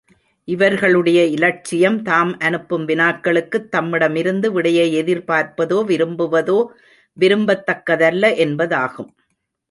இவர்களுடைய இலட்சியம், தாம் அனுப்பும் வினாக்களுக்குத் தம்மிடமிருந்து விடையை எதிர்பார்ப்பதோ, விரும்புவதோ, விரும்பத்தக்கதல்ல என்பதாகும்.